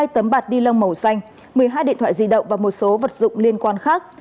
hai tấm bạt ni lông màu xanh một mươi hai điện thoại di động và một số vật dụng liên quan khác